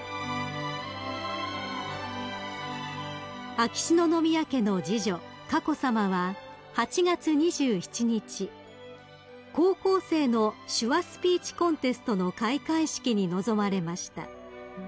［秋篠宮家の次女佳子さまは８月２７日高校生の手話スピーチコンテストの開会式に臨まれました］